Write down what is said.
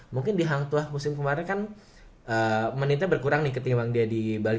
mungkin di hang tuah musim kemarin kan menitnya berkurang nih ketika dia di bali